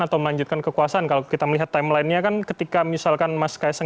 atau melanjutkan kekuasaan kalau kita melihat timelinenya kan ketika misalkan mas kaeseng